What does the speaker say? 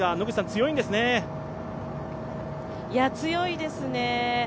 強いですね。